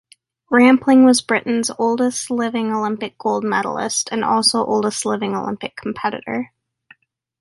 Rampling was Britain's oldest living Olympic Gold medallist and also oldest living Olympic competitor.